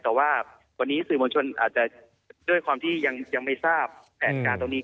แต่ว่าวันนี้สื่อมวลชนอาจจะด้วยความที่ยังไม่ทราบแผนการตรงนี้